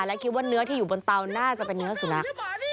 และคิดว่าเนื้อที่อยู่บนเตาน่าจะเป็นเนื้อสุนัข